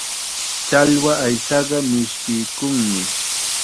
Challwa aychaqa mishkiykunmi.